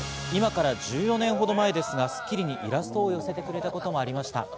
今から１４年ほど前ですが、『スッキリ』にイラストを寄せてくれたこともありました。